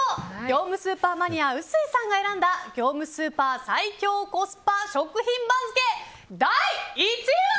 業務スーパーマニア臼井さんが選んだ業務スーパー最強コスパ食品番付第１位は。